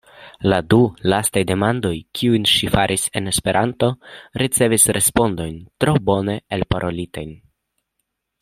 La du lastaj demandoj, kiujn ŝi faris en Esperanto, ricevis respondojn tro bone elparolitajn.